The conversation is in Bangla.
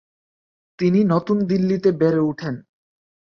তিনি নতুন দিল্লিতে বেড়ে ওঠেন।